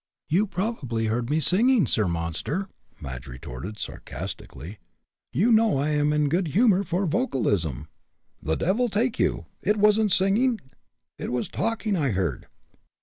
"You probably heard me singing, Sir Monster!" Madge retorted, sarcastically. "You know I am in good humor for vocalism." "The devil take you! It wasn't singing it was talking I heard."